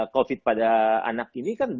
covid pada anak ini kan